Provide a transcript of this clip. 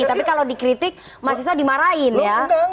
jadi politisi kalau dipuji langsung bilang makasih